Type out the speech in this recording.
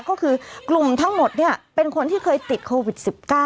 ก็คือกลุ่มทั้งหมดเป็นคนที่เคยติดโควิด๑๙